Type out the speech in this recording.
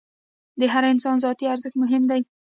د هر انسان ذاتي ارزښت مهم دی.